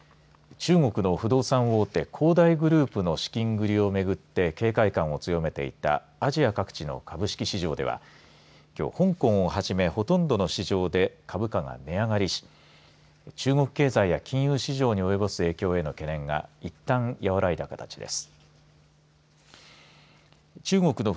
中国の不動産大手恒大グループの資金繰りをめぐって警戒感を強めていたアジア各地の株式市場ではきょう香港をはじめほとんどの市場で株価が値上がりし中国経済や金融市場に及ぼす影響への懸念がいったんやわらいだ形です。